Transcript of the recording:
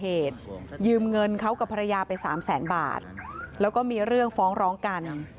ยืมเงินเขากับภรรยาไปสามแสนบาทแล้วก็มีเรื่องฟ้องร้องกัน